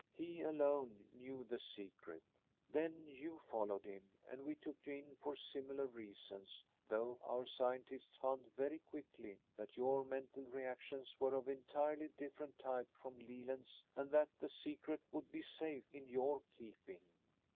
He alone knew the secret." "Then you followed him and we took you in for similar reasons, though our scientists found very quickly that your mental reactions were of entirely different type from Leland's and that the secret would be safe in your keeping.